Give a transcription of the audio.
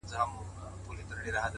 شپه چي تياره سي ؛رڼا خوره سي؛